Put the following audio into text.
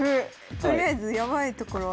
とりあえずヤバいところは。